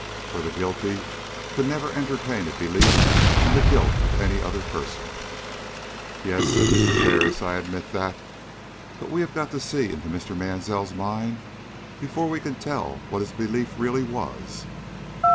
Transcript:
For the guilty could never entertain a belief in the guilt of any other person._" "Yes," said Mr. Ferris, "I admit that, but we have got to see into Mr. Mansell's mind before we can tell what his belief really was."